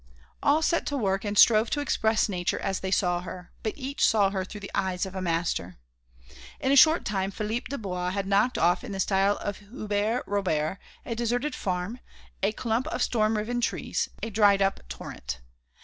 All set to work and strove to express nature as they saw her; but each saw her through the eyes of a master. In a short time Philippe Dubois had knocked off in the style of Hubert Robert a deserted farm, a clump of storm riven trees, a dried up torrent.